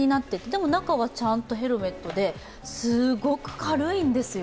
でも、中はちゃんとヘルメットですごく軽いんですよ。